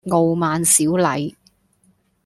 傲慢少禮